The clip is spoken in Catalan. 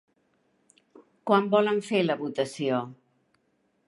Quan volen fer la votació?